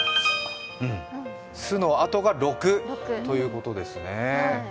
「す」のあとが「ろく」ということですね。